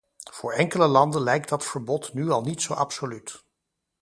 Voor enkele landen lijkt dat verbod nu al niet zo absoluut.